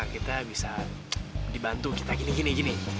kita bisa dibantu kita gini gini